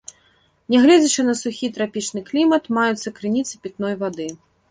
Нягледзячы на сухі трапічны клімат, маюцца крыніцы пітной вады.